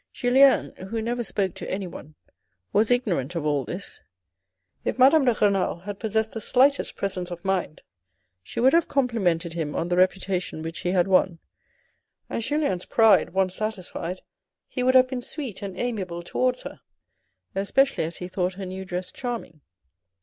Julien, who never spoke to anyone, was ignorant of all this. If Madame de Renal had possessed the slightest presence of mind, she would have complimented him on the reputation which he had won, and Julien's pride, once satisfied, he would have been sweet and amiable towards her, especially as he thought her new dress charming.